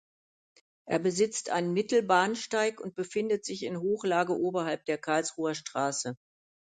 Er besitzt einen Mittelbahnsteig und befindet sich in Hochlage oberhalb der Karlsruher Straße.